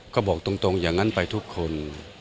ก็บอกตรงอย่างนั้นไปทุกคน